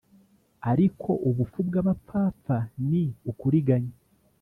Ariko ubupfu bw abapfapfa ni ukuriganya